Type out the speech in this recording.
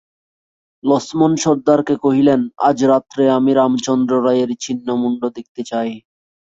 লছমন সর্দারকে কহিলেন, আজ রাত্রে আমি রামচন্দ্র রায়ের ছিন্ন মুণ্ড দেখিতে চাই।